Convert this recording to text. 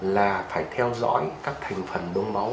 là phải theo dõi các thành phần đông máu